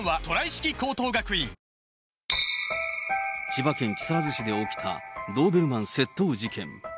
千葉県木更津市で起きたドーベルマン窃盗事件。